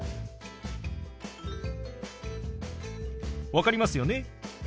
分かりますよね？